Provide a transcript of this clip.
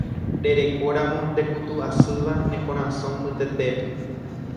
Rerekóramo ndekutu'asýva ne korasõ mbytetépe.